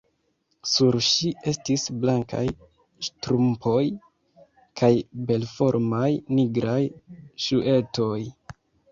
Sur ŝi estis blankaj ŝtrumpoj kaj belformaj, nigraj ŝuetoj.